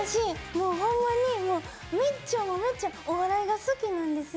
もうホンマにもうメッチャもうメッチャお笑いが好きなんですよ